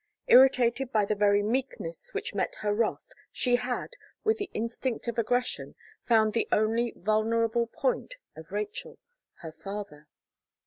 Irritated by the very meekness which met her wrath, she had, with the instinct of aggression, found the only vulnerable point of Rachel her father.